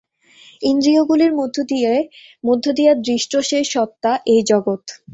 ইন্দ্রিয়গুলির মধ্য দিয়া দৃষ্ট সেই সত্তা এই জগৎ।